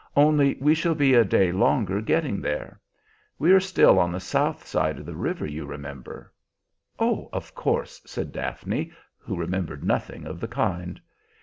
"Only we shall be a day longer getting there. We are still on the south side of the river, you remember?" "Oh, of course!" said Daphne, who remembered nothing of the kind.